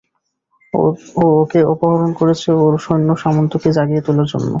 ও ওকে অপহরণ করেছে ওর সৈন্যসামন্তকে জাগিয়ে তোলার জন্য!